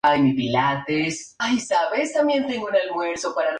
Se utiliza como timbre en los documentos oficiales.